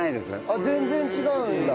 あっ全然違うんだ。